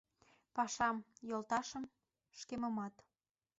Пашам, йолташым, шкемымат.